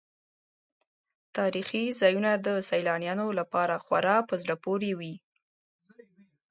تاریخي ځایونه د سیلانیانو لپاره خورا په زړه پورې وي.